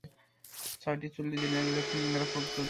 ছয়টি চুল্লি General Electric দ্বারা পরিকল্পিত হয়েছিল।